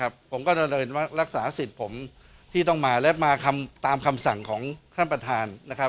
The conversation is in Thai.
ผมก็เดินรักษาสิทธิ์ผมที่ต้องมาและมาคำตามคำสั่งของท่านประธานนะครับ